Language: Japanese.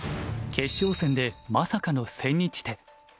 決勝戦でまさかの千日手。